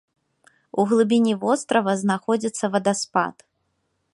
У глыбіні вострава знаходзіцца вадаспад.